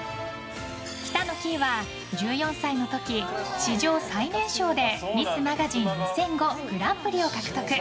北乃きいは１４歳の時史上最年少でミスマガジン２００５グランプリを獲得。